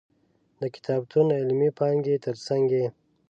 د کتابتون علمي پانګې تر څنګ یې.